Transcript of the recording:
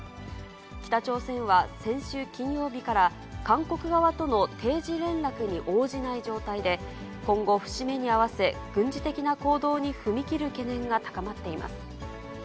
北朝鮮は先週金曜日から、韓国側との定時連絡に応じない状態で、今後、節目に合わせ、軍事的な行動に踏み切る懸念が高まっています。